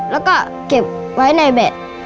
แล้วก็เก็บไว้ในแบต